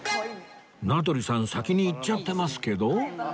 名取さん先に行っちゃってますけど？